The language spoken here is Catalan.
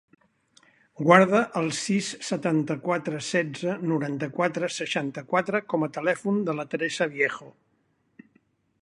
Guarda el sis, setanta-quatre, setze, noranta-quatre, seixanta-quatre com a telèfon de la Teresa Viejo.